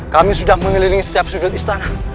kami sudah mengelilingi setiap sudut istana